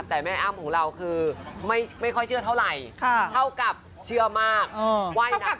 แต่แม่อ้ำของเราคือไม่ค่อยเชื่อเท่าไหร่เท่ากับเชื่อมากว่ายน้ำ